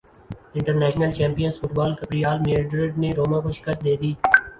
international champions football cup Real Madrid نے روما کو شکست دیدی